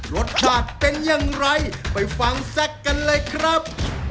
รสชาติเป็นอย่างไรไปฟังแซคกันเลยครับ